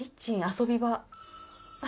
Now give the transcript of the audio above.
遊び場？